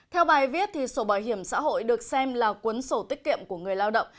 theo bài viết sổ bảo hiểm xã hội được xem là cuốn sổ tiết kiệm của người lao động